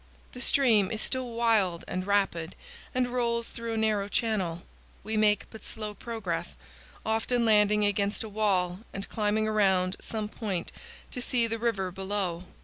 The stream is still wild and rapid and rolls through a narrow channel. We make but slow progress, often landing against a wall and climbing around some point to see the river below.